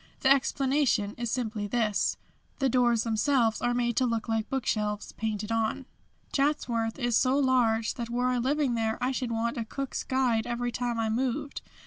The explanation is simply this: the doors themselves are made to look like book shelves, painted on. "Chatsworth is so large that were I living there I should want a Cook's guide every time I moved.